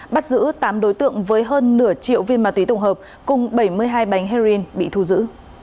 bắt giữ tám đối tượng với hơn nửa triệu viên ma túy tổng hợp cùng bảy mươi hai bánh heroin bị thu giữ